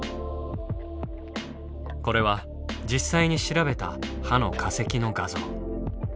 これは実際に調べた歯の化石の画像。